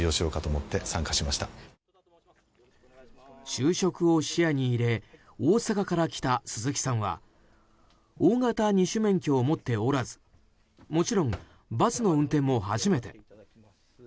就職を視野に入れ大阪から来た鈴木さんは大型二種免許を持っておらずもちろん、バスの運転も初めて。